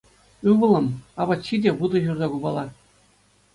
Ывӑлӑм, апат ҫи те вутӑ ҫурса купала.